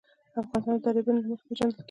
افغانستان د دریابونه له مخې پېژندل کېږي.